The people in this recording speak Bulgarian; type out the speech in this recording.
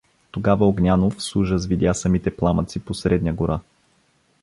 Тогава Огнянов с ужас видя самите пламъци по Средня гора.